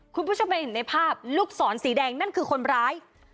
คุณผู้ชมจะเห็นในภาพลูกศรสีแดงนั่นคือคนร้าย